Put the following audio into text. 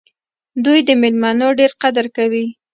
دوی د میلمنو ډېر قدر کوي.